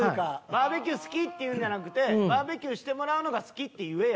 バーベキュー好き！って言うんじゃなくてバーベキューしてもらうのが好きって言えよ。